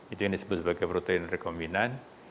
itu yang disebut sebagai protein rekombinan